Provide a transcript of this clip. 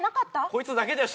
こいつだけだよ